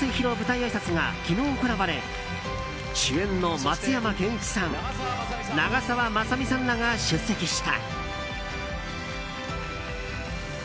あいさつが昨日行われ主演の松山ケンイチさん長澤まさみさんらが出席した。